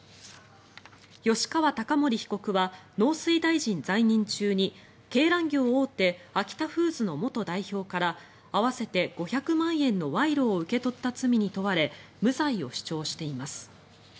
吉川貴盛被告は農水大臣在任中に鶏卵業大手アキタフーズの元代表から合わせて５００万円の賄賂を受け取った罪に問われ無罪を主張しています。